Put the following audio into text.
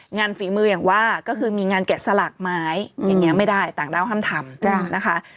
ฝีมืออย่างว่าก็คือมีงานแกะสลักไม้อย่างนี้ไม่ได้ต่างด้าวห้ามทำนะคะ